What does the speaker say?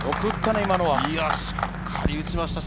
しっかり打ちました。